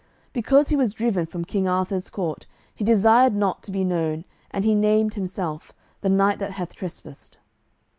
Because he was driven from King Arthur's court he desired not to be known, and he named himself "The knight that hath trespassed."